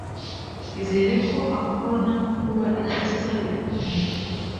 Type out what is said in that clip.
izere ko amahoro n' amakuba ibyo tuzabifatanya